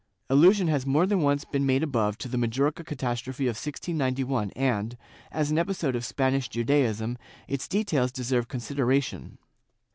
Allusion has more than once been made above to the Majorca catastrophe of 1691 and, as an episode of Spanish Judaism, its details deserve con sideration.